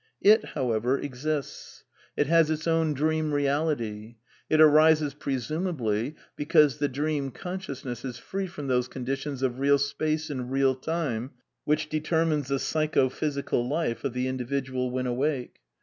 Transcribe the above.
It, however, exists ; it has its own dream reality. It arises, presumably, be cause the dream consciousness is free from those condi tions of real space and real time which determine the psycho physical life of the individual when awake.